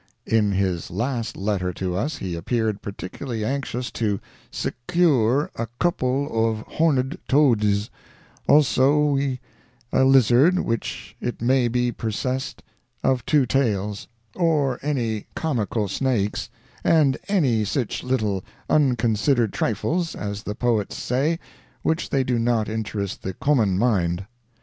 In his last letter to us he appeared particularly anxious to "sekure a kupple ov horned todes; alsowe, a lizard which it may be persessed of 2 tales, or any comical snaix, and enny sich little unconsidered trifles, as the poets say, which they do not interest the kommun mind.